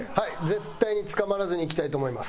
絶対に捕まらずにいきたいと思います。